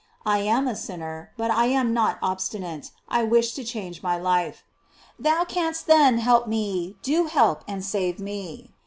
I am a sinner, but I am not obstinate; I wish to change my life. Thou canst, then, help me; do help and save me.